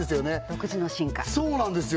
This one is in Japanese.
独自の進化そうなんですよ